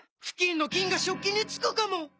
フキンの菌が食器につくかも⁉